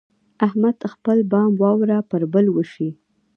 احمد خپل بام واوره پر بل وشي.